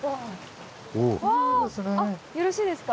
わあよろしいですか？